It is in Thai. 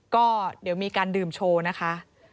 ก็เดี๋ยวมีการดื่มโชว์นะคะ